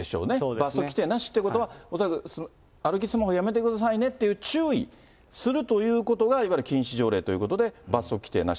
罰則規定なしということは、恐らく、歩きスマホをやめてくださいねっていう注意するということが、いわゆる禁止条例ということで、罰則規定なし。